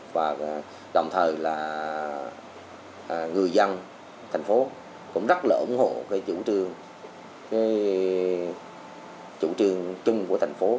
và đồng thời là người dân thành phố cũng rất là ủng hộ cái chủ trương chung của thành phố